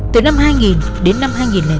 từ năm hai nghìn đến năm hai nghìn tám